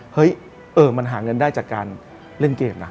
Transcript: เฮ้ยมันหาเงินได้จากการเล่นเกมนะ